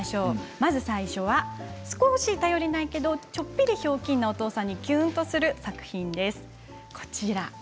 まず最初は少し頼りないけどちょっぴりひょうきんなお父さんにキュンとする作品です。